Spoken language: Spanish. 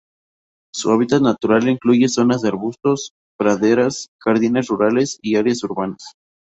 Su hábitat natural incluye zonas de arbustos, praderas, jardines rurales y áreas urbanas.